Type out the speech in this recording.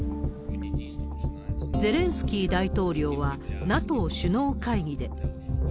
ゼレンスキー大統領は、ＮＡＴＯ首脳会議で。